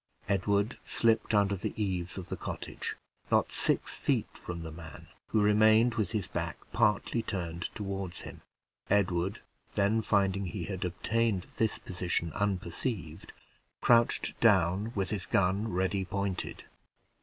Edward slipped under the eaves of the cottage, not six feet from the man, who remained with his back partly turned to him. Edward then, finding he had obtained this position unperceived, crouched down with his gun ready pointed.